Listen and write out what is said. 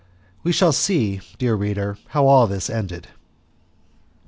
We shall see, dear reader, how all this ended.